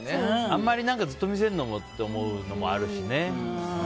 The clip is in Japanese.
あんまりずっと見せるのもって思うのもあるしね。